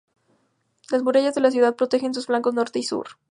Las murallas de la ciudad protegen sus flancos norte y sur.